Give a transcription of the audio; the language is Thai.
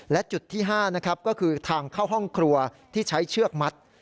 และจุดที่๕นะครับก็คือทางเข้าห้องครัวที่ใช้เชือกมัด